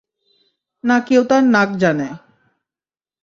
না কেউ তার নাক জানে।